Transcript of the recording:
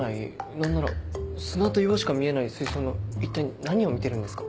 何なら砂と岩しか見えない水槽の一体何を見てるんですか？